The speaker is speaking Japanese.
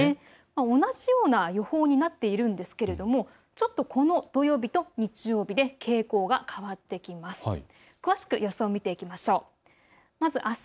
同じような予報になっているんですけれどもちょっと、この土曜日と日曜日で傾向が変わってきます。